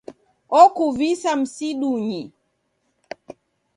Okuvisa msidunyi